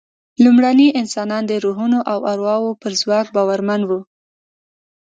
لومړني انسانان د روحونو او ارواوو پر ځواک باورمن وو.